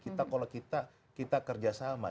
kalau kita kita kerjasama